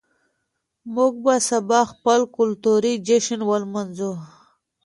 موږ به سبا خپل کلتوري جشن ولمانځو.